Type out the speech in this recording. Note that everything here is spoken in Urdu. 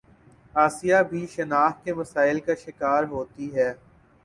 آسیہ بھی شناخت کے مسائل کا شکار ہوتی ہے